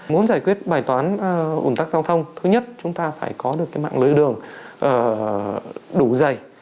muốn giải quyết bài toán ủn tắc giao thông thứ nhất chúng ta phải có được cái mạng lưới đường đủ dày